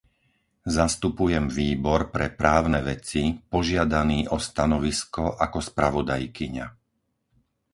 Zastupujem Výbor pre právne veci požiadaný o stanovisko ako spravodajkyňa.